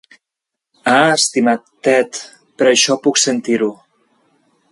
Ah, estimat Ted, per això puc sentir-ho.